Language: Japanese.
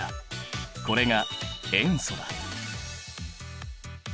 これが塩素だ。